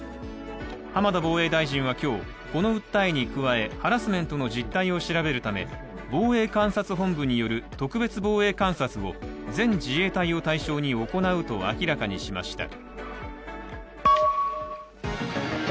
浜田防衛大臣は今日、この訴えに加えハラスメントの実態を調べるため、防衛監察本部による特別防衛監察を全自衛隊を対象に行うと明らかにしました。